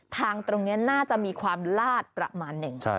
ทางตรงนี้น่าจะมีความลาดประมาณหนึ่ง